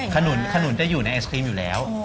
ขนุนจะอยู่ในไอศครีมอยู่แล้ว